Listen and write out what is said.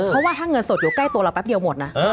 เพราะว่าถ้าเงินสดอยู่ใกล้ตัวเราแป๊บเดียวหมดนะ